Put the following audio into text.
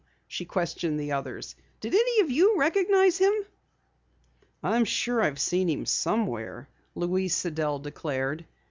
she questioned the others. "Did any of you recognize him?" "I'm sure I've seen him somewhere," Louise Sidell declared.